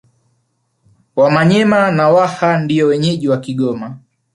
Wamanyema na Waha ndio wenyeji wa Kigoma